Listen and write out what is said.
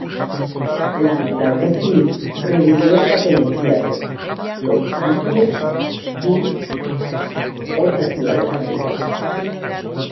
La notable actriz revivió el papel en Seattle, Los Ángeles y otras ciudades americanas.